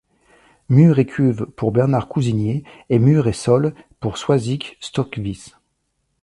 Murs et cuves pour Bernard Cousinier et murs et sols pour Soizic Stokvis.